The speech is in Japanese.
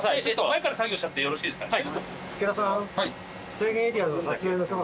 前から作業しちゃってよろしいですかね。